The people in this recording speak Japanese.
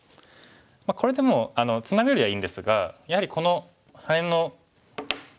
これでもツナぐよりはいいんですがやはりこのハネの。